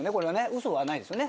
ウソはないですよね。